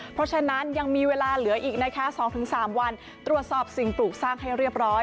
เพราะฉะนั้นยังมีเวลาเหลืออีกนะคะ๒๓วันตรวจสอบสิ่งปลูกสร้างให้เรียบร้อย